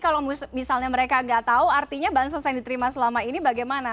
kalau misalnya mereka gak tahu artinya bantuan sosial yang diterima selama ini bagaimana